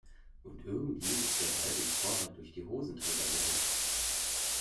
Und irgendwie ist der Ball dem Torwart durch die Hosenträger gerutscht.